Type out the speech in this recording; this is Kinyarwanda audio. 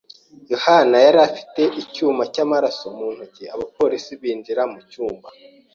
yohani yari afite icyuma cyamaraso mu ntoki abapolisi binjira mu cyumba.